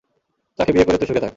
তাকে বিয়ে করে তুই সুখে থাক।